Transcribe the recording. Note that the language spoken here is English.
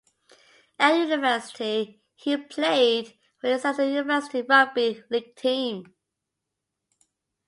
At university, he played for the Exeter University Rugby League team.